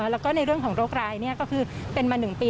แล้วก็ในเรื่องของโรคร้ายก็คือเป็นมา๑ปี